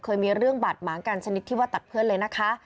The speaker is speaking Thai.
เคยมีเรื่องบาดหมางกันชนิดที่ว่าตัดเพื่อนเลยนะคะ